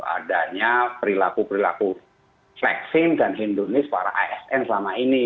adanya perilaku perilaku flexing dan hindunis para asn selama ini